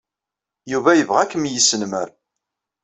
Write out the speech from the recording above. Yuba yebɣa ad kem-yesnemmer.